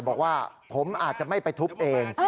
บอกว่าผมอาจจะไม่ไปทุบเอง